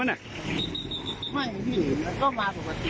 ไม่มันก็มาประมาทนี้เลย